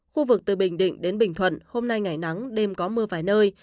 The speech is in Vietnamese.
khu vực từ bình định đến bình thuận hôm nay ngày nắng đêm có mưa vài nơi